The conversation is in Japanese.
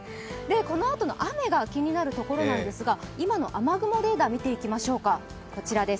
このあとの雨が気になるところなんですが今の雨雲レーダー見ていきましょうか。